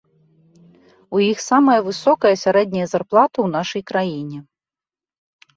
У іх самая высокая сярэдняя зарплата ў нашай краіне.